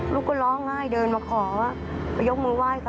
ลูกร้องไห้เดินมาขอไปยกมึงไหว้เขา